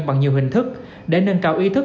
bằng nhiều hình thức để nâng cao ý thức